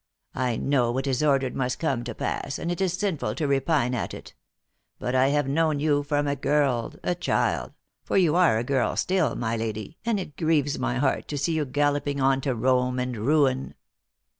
" I know what is ordered must come to pass, and it is sin ful to repine at it. But I have known you from a girl, a child, for you are a girl still, my lady, and it grieves my heart to see you galloping on to Rome and ruin."